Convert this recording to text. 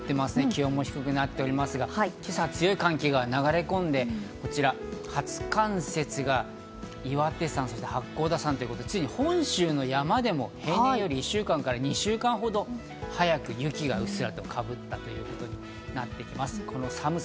気温も低くなっておりますが今朝、強い寒気が流れ込んで、こちら、初冠雪が岩手山、そして八甲田山、ついに本州の山でも平年より１週間から２週間ほど早く雪がうっすらとかぶっているということになっています。